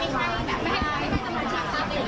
ไม่ใช่ไม่ใช่แบบ